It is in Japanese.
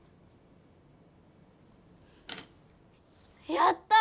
やった！